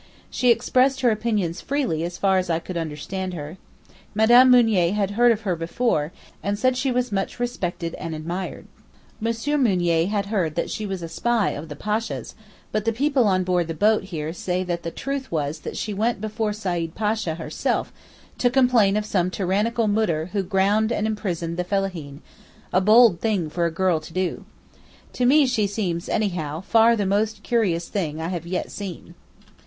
She expressed her opinions pretty freely as far as I could understand her. Mme. Mounier had heard of her before, and said she was much respected and admired. M. Mounier had heard that she was a spy of the Pasha's, but the people on board the boat here say that the truth was that she went before Said Pasha herself to complain of some tyrannical Moodir who ground and imprisoned the fellaheen—a bold thing for a girl to do. To me she seems, anyhow, far the most curious thing I have yet seen.